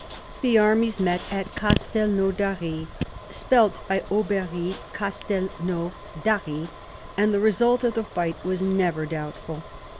The armies met at Castelnaudary — spelt by Aubery Castelnau d'Arry — and the result of the fight was never doubtful.